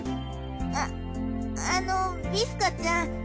ああのビスカちゃん。